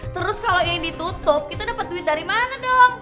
terus kalau ini ditutup kita dapat duit dari mana dong